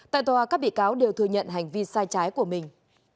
tại tòa các bị cáo đều thừa nhận hành vi sai trái của mình